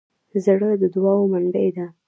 زړه د دوعا منبع ده.